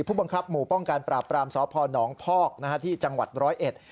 ผู้บังคับหมู่ป้องการปราบปรามสพนพที่จังหวัด๑๐๑